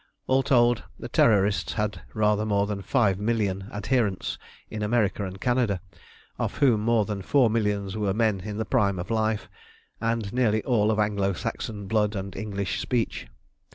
All told, the Terrorists had rather more than five million adherents in America and Canada, of whom more than four millions were men in the prime of life, and nearly all of Anglo Saxon blood and English speech.